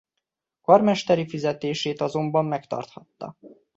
Karmesteri fizetését azonban megtarthatta.